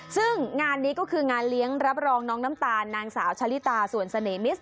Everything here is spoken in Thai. ซึ่งงานนี้ก็คืองานเลี้ยงรับรองน้องน้ำตาลนางสาวชะลิตาสวนเสน่หมิส